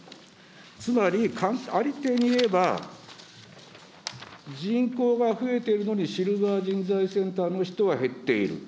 つまり、ありていに言えば、人口が増えてるのに、シルバー人材センターの人は減っている。